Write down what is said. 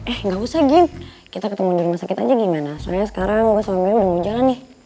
eh gak usah gim kita ketemu di rumah sakit aja gimana soalnya sekarang gue suaminya udah mau jalan nih